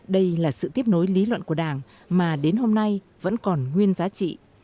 đây là sự tiếp nối lý luận của đảng mà đến hôm nay vẫn còn nguyên giá trị